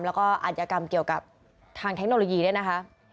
แล้วก็อัธยกรรมเกี่ยวกับทางเทคโนโลยีด้วยนะคะ